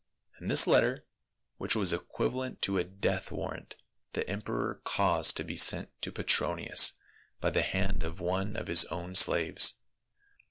And this letter, which was equivalent to a death warrant, the emperor caused to be sent to Petronius by the hand of one of his own slaves.